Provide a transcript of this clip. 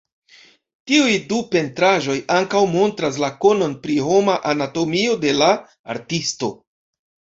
Tiuj du pentraĵoj ankaŭ montras la konon pri homa anatomio de la artisto.